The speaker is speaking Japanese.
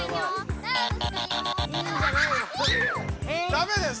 ダメです！